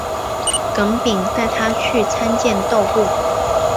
耿秉带他去拜见窦固。